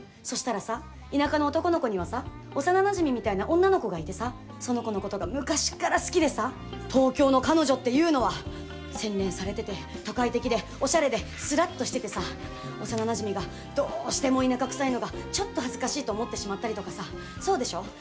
そしたらさ、田舎の男の子にはさ幼なじみみたいな女の子がいてさその子のことが昔から好きでさ東京の彼女っていうのは洗練されてて都会的でおしゃれですらっとしててさ幼なじみがどうしても田舎くさいのがちょっと恥ずかしいと思ってしまったりとかさそうでしょ？